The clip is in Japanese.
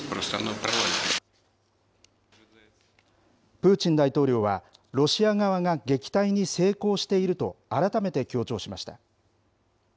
プーチン大統領は、ロシア側が撃退に成功していると、改めて強調しました。